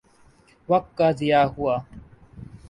وقت کا ضیاع ہوا۔